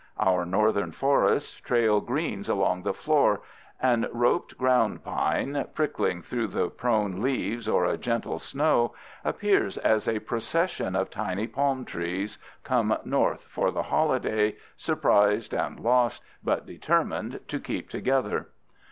Our Northern forests trail greens along the floor, and roped ground pine, pricking through the prone leaves or a gentle snow, appears as a procession of tiny palm trees, come North for the holiday, surprised and lost, but determined to keep together.